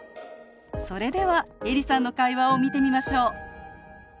それではエリさんの会話を見てみましょう。